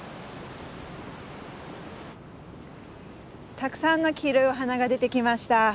たくさんの黄色いお花が出てきました。